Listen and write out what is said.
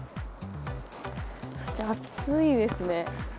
そして暑いですね。